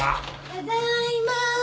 ただいま。